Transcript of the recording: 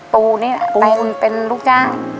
ปูนี้เป็นลูกจ้าง